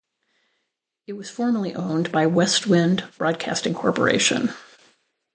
It was formerly owned by Westwind Broadcasting Corporation.